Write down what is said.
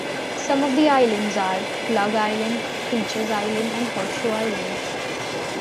Some of the islands are Plug Island, Preachers Island, and Horseshoe Island.